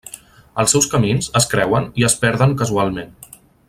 Els seus camins es creuen i es perden casualment.